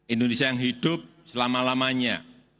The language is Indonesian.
indonesia yang hidup selama lamanya